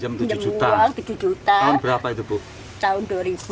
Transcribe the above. minjam uang tujuh juta tahun dua ribu